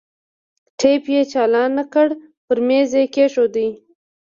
ټېپ يې چالان کړ پر ميز يې کښېښود.